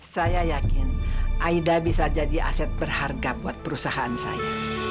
saya yakin aida bisa jadi aset berharga buat perusahaan saya